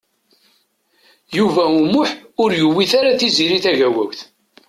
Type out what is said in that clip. Yuba U Muḥ ur yewwit ara Tiziri Tagawawt.